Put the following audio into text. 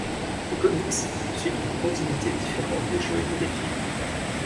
Les comics suivent une continuité différente des jeux et des films.